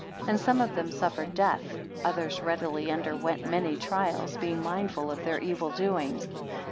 And some of them suffered death: others readily underwent many trials, being mindful of their evil doings.